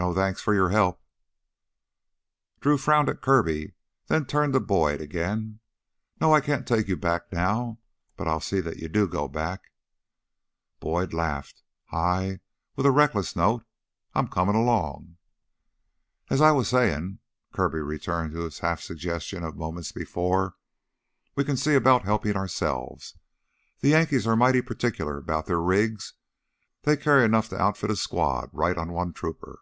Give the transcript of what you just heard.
"No thanks for your help." Drew frowned at Kirby, then turned to Boyd again. "No, I can't take you back now. But I'll see that you do go back!" Boyd laughed, high, with a reckless note. "I'm comin' along." "As I was sayin'," Kirby returned to his half suggestion of moments before, "we can see 'bout helpin' ourselves. Them Yankees are mighty particular 'bout their rigs; they carry 'nough to outfit a squad right on one trooper."